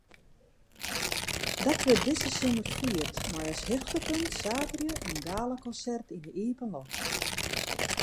Dat wurdt dizze simmer fierd mei as hichtepunt saterdei in galakonsert yn de iepenloft.